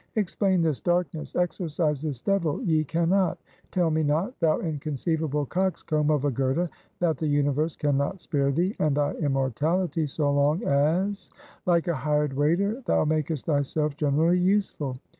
Explain this darkness, exorcise this devil, ye can not. Tell me not, thou inconceivable coxcomb of a Goethe, that the universe can not spare thee and thy immortality, so long as like a hired waiter thou makest thyself 'generally useful.'